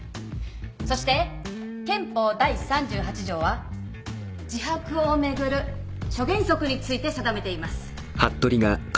そして憲法第３８条は自白を巡る諸原則について定めています。